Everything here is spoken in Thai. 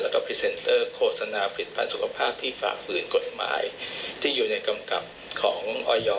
แล้วก็พรีเซนเตอร์โฆษณาผลิตภัณฑสุขภาพที่ฝ่าฝืนกฎหมายที่อยู่ในกำกับของออย